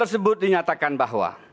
dokumen tersebut dinyatakan bahwa